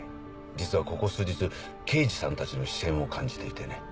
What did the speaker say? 実はここ数日刑事さんたちの視線を感じていてね。